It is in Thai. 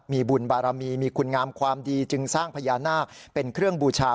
มีบุญบารมีมีคุณงามความดีจึงสร้างพญานาคเป็นเครื่องบูชา